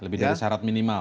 lebih dari syarat minimal